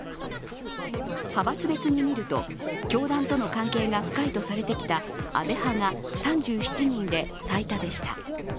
派閥別に見ると教団との関係が深いとされてきた安倍派が３７人で最多でした。